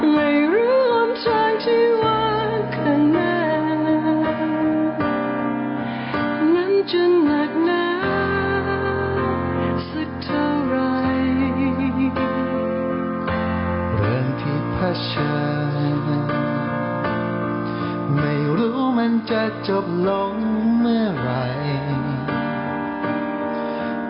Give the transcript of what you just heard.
เพราะฉะนั้นไม่รู้มันจะจบลงเมื่อไหร่